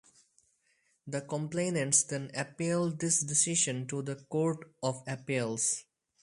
The complainants then appealed this decision to the Court of Appeals.